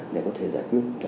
để có thể giải quyết